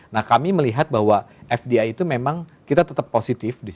nah kami melihat bahwa fdi itu memang kita tetap positif